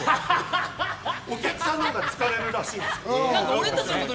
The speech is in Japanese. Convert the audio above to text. お客さんのほうが疲れるらしいです。